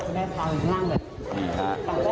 แม่น้องพิมพ์เธอค่ะ